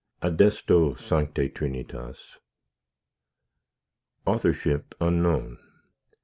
ADESTO, SANCTA TRINITAS Authorship unknown.